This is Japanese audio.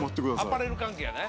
アパレル関係やね。